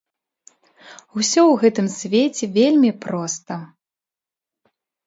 Усё ў гэтым свеце вельмі проста.